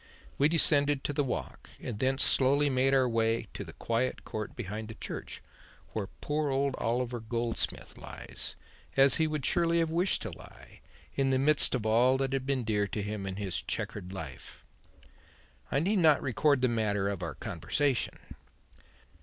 We descended to the Walk and thence slowly made our way to the quiet court behind the church, where poor old Oliver Goldsmith lies, as he would surely have wished to lie, in the midst of all that had been dear to him in his chequered life. I need not record the matter of our conversation.